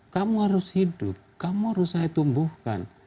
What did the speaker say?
kamu harus hidup kamu harus saya tumbuhkan